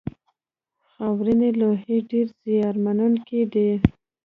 خاورینې لوحې ډېرې زیان منونکې دي.